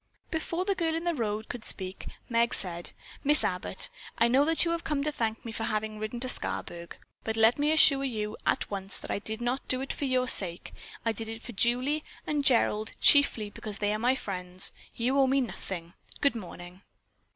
Before the girl in the road could speak, Meg said: "Miss Abbott, I know that you have come to thank me for having ridden to Scarsburg, but let me assure you at once that I did not do it for your sake. I did it for Julie and Gerald, chiefly, because they are my friends. You owe me nothing. Good morning!"